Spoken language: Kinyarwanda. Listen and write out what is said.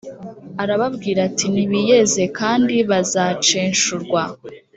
arababwira ati nibiyeze kandi bazacenshurwa